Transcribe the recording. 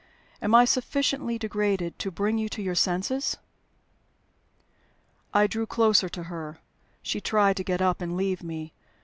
Am I sufficiently degraded to bring you to your senses?" I drew closer to her. She tried to get up and leave me.